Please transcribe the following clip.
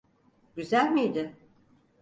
Güzel miydi?